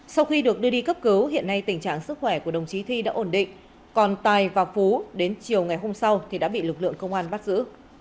sau khi được đưa đi cấp cứu hiện nay tình trạng sức khỏe của đồng chí thi đã ổn định còn tài và phú đến chiều ngày hôm sau thì đã bị lực lượng công an bắt giữ